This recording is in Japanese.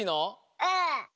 うん！